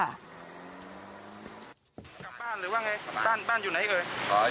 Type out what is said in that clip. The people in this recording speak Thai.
หรือว่าไงบ้านอยู่ไหน